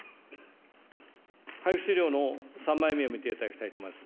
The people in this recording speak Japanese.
配布資料の３枚目を見ていただきたいと思います。